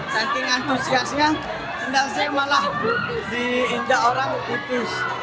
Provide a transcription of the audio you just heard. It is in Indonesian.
saking antusiasnya sendal saya malah diindah orang putus